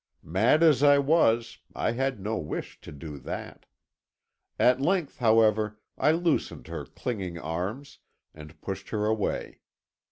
Mad as I was, I had no wish to do that. At length, however, I loosened her clinging arms, and pushed her away.